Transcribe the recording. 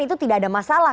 itu tidak ada masalah